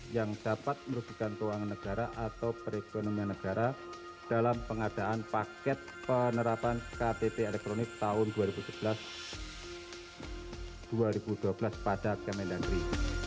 yang dapat merugikan keuangan negara atau perekonomian negara dalam pengadaan paket penerapan ktp elektronik tahun dua ribu sebelas dua ribu dua belas pada kementerian negeri